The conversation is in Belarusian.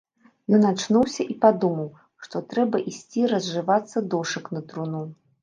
Ён ачнуўся і падумаў, што трэба ісці разжывацца дошак на труну.